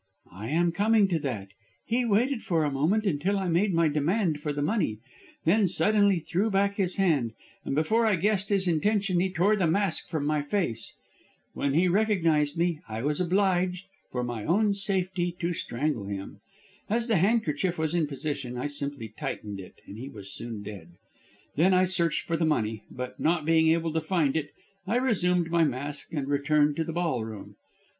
"I am coming to that. He waited for a moment, until I made my demand for the money, then suddenly threw back his hand, and before I guessed his intention he tore the mask from my face. When he recognised me I was obliged, for my own safety, to strangle him. As the handkerchief was in position I simply tightened it, and he was soon dead. Then I searched for the money, but, not being able to find it, I resumed my mask and returned to the ballroom.